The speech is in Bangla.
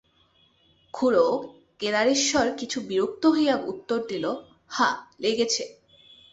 খুড়ো কেদারেশ্বর কিছু বিরক্ত হইয়া উত্তর দিল, হাঁ, লেগেছে।